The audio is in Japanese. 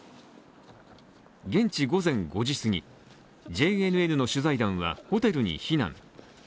現地午前５時すぎ、ＪＮＮの取材団はホテルに避難。